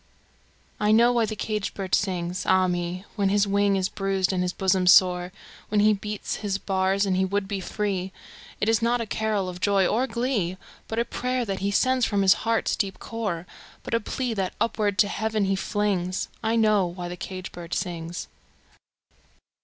I know why the caged bird sings, ah me, When his wing is bruised and his bosom sore, When he beats his bars and he would be free; It is not a carol of joy or glee, But a prayer that he sends from his heart's deep core, But a plea, that upward to Heaven he flings I know why the caged bird sings!